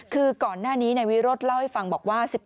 คือก่อนหน้านี้นายวิโรธเล่าให้ฟังบอกว่า